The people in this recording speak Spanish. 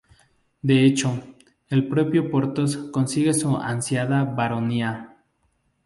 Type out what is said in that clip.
De hecho, el propio Porthos consigue su ansiada Baronía.